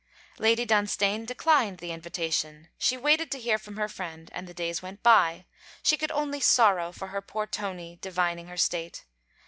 Lady Dunstane declined the invitation. She waited to hear from her friend, and the days went by; she could only sorrow for her poor Tony, divining her state.